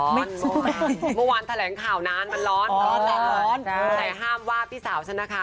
เมื่อวานแถลงข่าวนานมันร้อนร้อนแต่ห้ามว่าพี่สาวฉันนะคะ